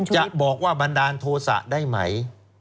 จะบอกว่าบันดาลโทษะได้ไหม